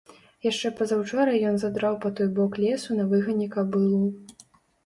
Яшчэ пазаўчора ён задраў па той бок лесу на выгане кабылу.